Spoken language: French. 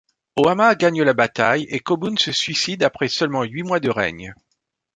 Ō-ama gagne la bataille et Kōbun se suicide après seulement huit mois de règne.